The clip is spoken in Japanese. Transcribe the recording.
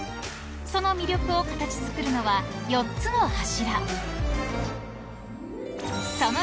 ［その魅力を形作るのは４つの柱］